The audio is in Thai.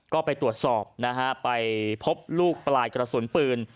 ก็ไปตรวจสอบนะฮะไปพบลูกปลายกระสุนปืน